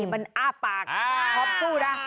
นี่มันอ้าปากเขาบกู้นะ